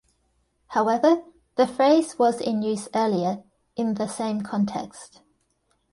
However, the phrase was in use earlier, in the same context.